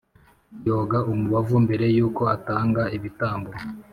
yoga umubavu mbere y uko atanga ibitambo